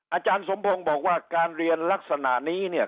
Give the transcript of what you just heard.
อาจารย์สมพงศ์บอกว่าการเรียนลักษณะนี้เนี่ย